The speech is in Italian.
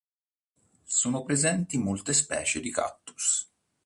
Sono presenti molte specie di cactus.